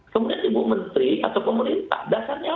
kemudian ibu menteri atau pemerintah dasarnya